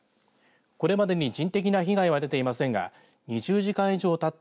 これまでに人的な被害は出ていませんが２０時間以上たった